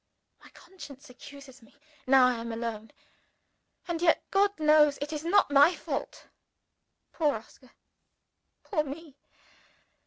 My conscience accuses me, now I am alone and yet, God knows, it is not my fault. Poor Oscar! Poor me!